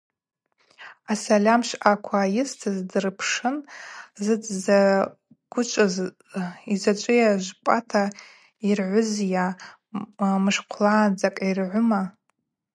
Асальамшвъаква йыстыз дырпшын: – Зытдзагвычвыз, йзачӏвгьи жвпӏата йыргӏвызйа, мышхъвлагӏанцӏакӏ йгӏвыма.